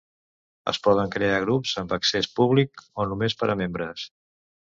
Es poden crear grups amb accés públic o només per a membres.